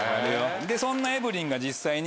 そんなエブリンが。